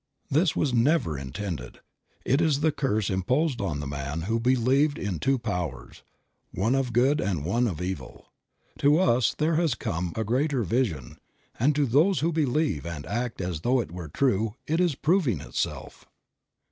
This was never intended ; it is the curse imposed on the man who believed in two powers, one of good and one of evil. To us there has come a greater vision, and to those who believe and act as though it were true it is proving itself.